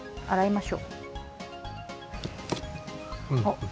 はい。